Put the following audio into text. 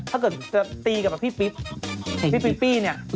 ถ้าเกิดจะตีกับพี่ปิ๊บพี่ปิ๊ปปี้เนี่ย